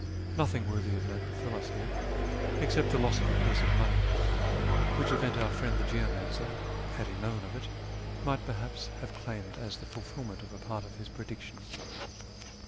Nothing worthy of note befell us here, except the loss of a purse of money, which event our friend the geomancer, had he known of it, might perhaps have claimed as the fulfilment of a part of his prediction.